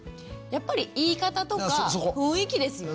やっぱり言い方とか雰囲気ですよね。